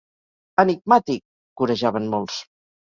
-Enigmàtic!- corejaven molts.